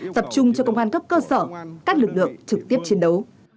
tập trung cho công an cấp cơ sở các lực lượng trực tiếp chiến đấu